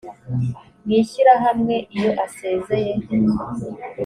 mw ishyirahamwe iyo asezeye